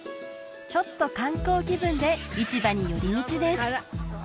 ちょっと観光気分で市場に寄り道です